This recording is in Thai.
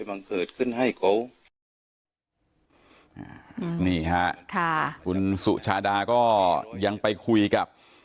แล้วท่านผู้ชมครับบอกว่าตามความเชื่อขายใต้ตัวนะครับ